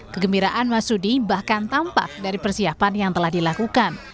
kegembiraan masudi bahkan tampak dari persiapan yang telah dilakukan